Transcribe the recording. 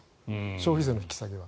消費税の引き下げは。